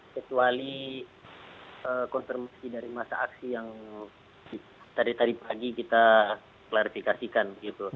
kecuali konfirmasi dari masa aksi yang tadi tadi pagi kita klarifikasikan